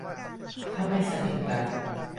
ถ้าไม่สนิทกัน